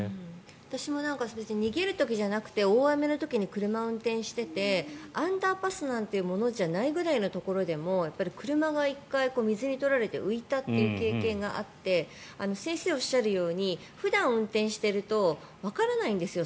私も逃げる時じゃなくて大雨の時に車を運転していてアンダーパスなんてものじゃないぐらいのところでも車が１回水に取られて浮いたという経験があって先生がおっしゃるように普段運転しているとわからないんですよ。